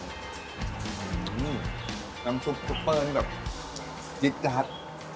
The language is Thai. น้ำซุปซุปเปอร์ที่แบบจิ๊กจัด